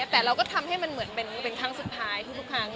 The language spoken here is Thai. แต่เราก็ทำให้มันเหมือนเป็นครั้งสุดท้ายทุกครั้ง